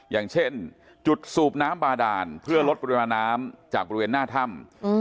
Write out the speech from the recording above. อย่างเช่นจุดสูบน้ำบาดานเพื่อลดปริมาณน้ำจากบริเวณหน้าถ้ำ